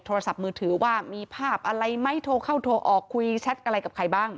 โทรศัพท์มือถือว่ามีภาพอะไรไหมโทรเข้าโทรออกคุยแชทอะไรกับใครบ้าง